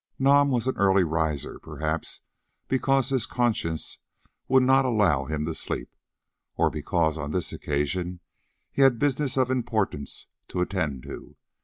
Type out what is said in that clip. Nam was an early riser, perhaps because his conscience would not allow him to sleep, or because on this occasion he had business of importance to attend to.